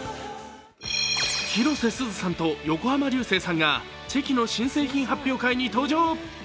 広瀬すずさんと横浜流星さんがチェキの新製品発表会に登場。